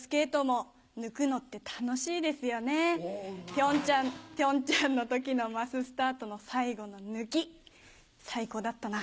ピョンチャンの時のマススタートの最後の抜き最高だったな。